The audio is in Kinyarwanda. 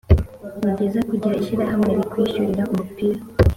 Ni byiza kugira ishyirahamwe likwishyulira umupira.